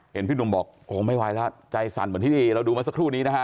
พี่หนุ่มบอกโอ้ไม่ไหวแล้วใจสั่นเหมือนที่เราดูมาสักครู่นี้นะฮะ